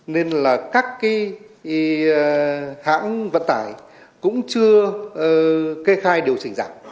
nên là các cái hãng vận tải cũng chưa kê khai điều chỉnh giảm